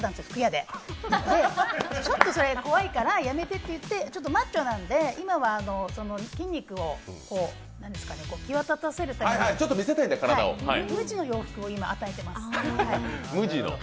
で、ちょっとそれ怖いからやめてって言って、マッチョなんで、今は筋肉を際立たせるために、無地の洋服を今、与えてます。